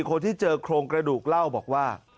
คนที่เจอโครงกระดูกเล่าบอกว่า